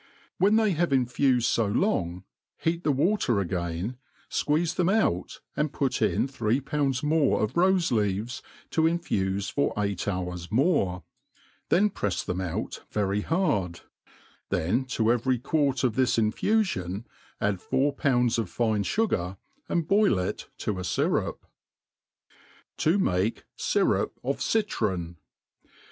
When they have infufed fo long, heat the water again, fqueese them out, and put in three pounds more of rofe Ieaves, to infufe for eight hours more ; then prefs them out very hard ; then to «very quart of this infufion add four pounds of fine fugar, and boil it to a fyrup. T§ make Syrup of Citron.